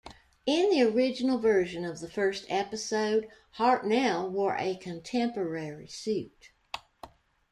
In the original version of the first episode, Hartnell wore a contemporary suit.